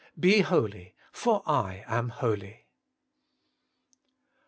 BE HOLY, FOE I AM HOLY.